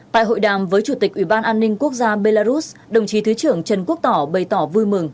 tại hội đàm với chủ tịch ủy ban an ninh quốc gia belarus đồng chí thứ trưởng trần quốc tỏ bày tỏ vui mừng